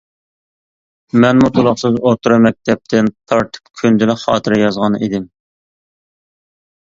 مەنمۇ تولۇقسىز ئوتتۇرا مەكتەپتىن تارتىپ كۈندىلىك خاتىرە يازغانىدىم.